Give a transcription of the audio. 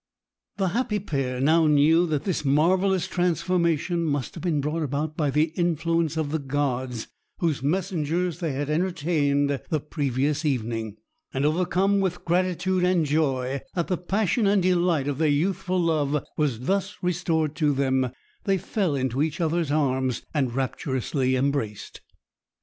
The happy pair now knew that this marvellous transformation must have been brought about by the influence of the gods, whose messengers they had entertained the previous evening; and overcome with gratitude and joy that the passion and delight of their youthful love was thus restored to them, they fell into each other's arms and rapturously embraced.